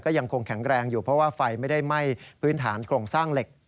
ยังคงแข็งแรงอยู่เพราะว่าไฟไม่ได้ไหม้พื้นฐานโครงสร้างเหล็ก